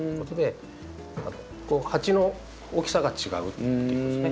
鉢の大きさが違うっていうことですね。